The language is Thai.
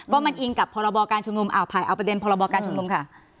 ก็มัน๘๐กับพคชมนุมอาภัยเอาประเด็นพคคชมนุมค่ะ